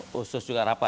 khusus juga rapat